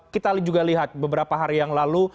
kita juga lihat beberapa hari yang lalu